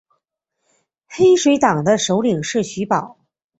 黑水党的首领是徐保。